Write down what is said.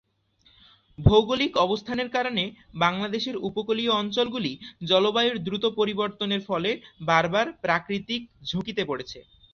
ভৌগোলিক অবস্থানের কারণে বাংলাদেশের উপকূলীয় অঞ্চলগুলি জলবায়ুর দ্রুত পরিবর্তনের ফলে বার বার প্রাকৃতিক ঝুঁকিতে পড়েছে।